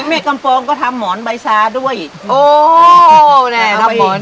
แม่กัมปองก็ทำหมอนใบซาด้วย